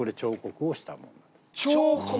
彫刻！